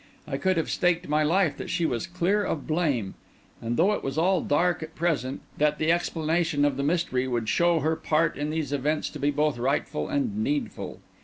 I could have staked my life that she was clear of blame, and, though all was dark at the present, that the explanation of the mystery would show her part in these events to be both right and needful.